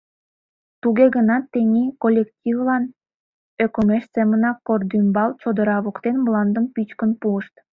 Туге гынат тений коллективлан ӧкымеш семынак Кӧрдӱмбал чодыра воктен мландым пӱчкын пуышт.